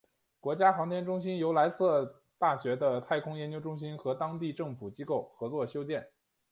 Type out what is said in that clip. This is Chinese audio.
国家航天中心由莱斯特大学的太空研究中心和当地政府机构合作修建。